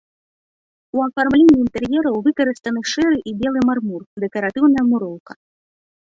У афармленні інтэр'ераў выкарыстаны шэры і белы мармур, дэкаратыўная муроўка.